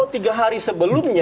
kalau tiga hari sebelumnya